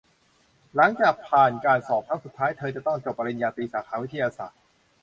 หลังจากผ่านการสอบครั้งสุดท้ายเธอจะต้องจบปริญญาตรีสาขาวิทยาศาสตร์